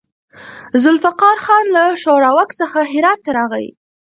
ذوالفقار خان له ښوراوک څخه هرات ته راغی.